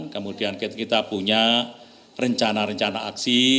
kemudian kita punya rencana rencana aksi